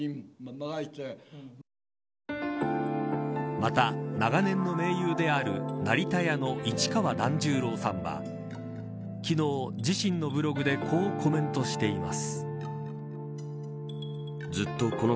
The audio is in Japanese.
また長年の盟友である成田屋の市川團十郎さんは昨日、自身のブログでこうコメントしています。